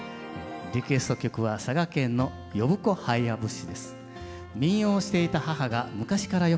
リクエスト曲は佐賀県の「呼子ハイヤ節」です。